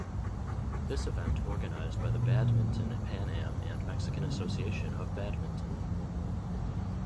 This event organized by the Badminton Pan Am and Mexican Association of Badminton.